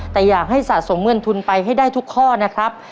แต่อยากให้สะสมเงินทุนไปให้ได้ทุกข้อนะครับ